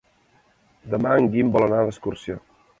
Demà en Guim vol anar d'excursió.